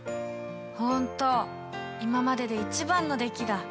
本当今までで一番の出来だ。